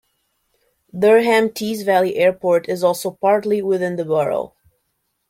Durham Tees Valley Airport is also partly within the borough.